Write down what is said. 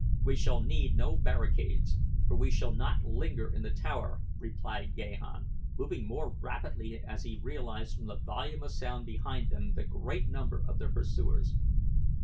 "We shall need no barricades for we shall not linger in the tower," replied Gahan, moving more rapidly as he realized from the volume of sound behind them the great number of their pursuers.